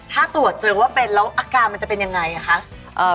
ถ้าตรวจเจอว่าเป็นแล้วอาการมันจะเป็นยังไงอ่ะคะ